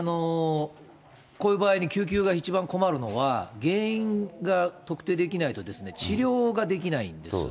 こういう場合に救急が一番困るのは、原因が特定できないと治療ができないんです。